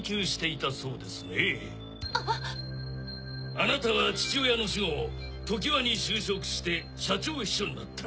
あなたは父親の死後ＴＯＫＩＷＡに就職して社長秘書になった。